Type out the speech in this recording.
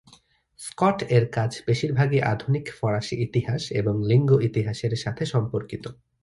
Scott এর কাজ বেশিরভাগই আধুনিক ফরাসি ইতিহাস এবং লিঙ্গ ইতিহাসের সাথে সম্পর্কিত।